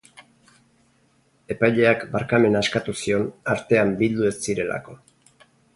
Epaileak barkamena eskatu zion artean bildu ez zirelako.